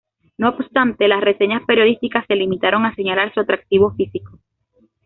No obstante, las reseñas periodísticas se limitaron a señalar su atractivo físico.